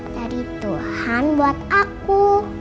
dari tuhan buat aku